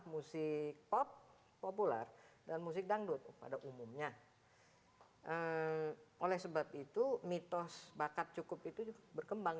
musik pop populer dan musik dangdut pada umumnya oleh sebab itu mitos bakat cukup itu juga berkembang